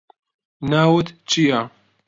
ناوت چییە؟